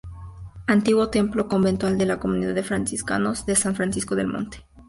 Antiguo templo conventual de la comunidad de franciscanos de San Francisco del Monte.